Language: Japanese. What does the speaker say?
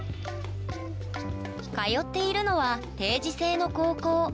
通っているのは定時制の高校。